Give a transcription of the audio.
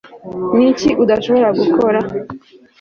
niki udashobora gukora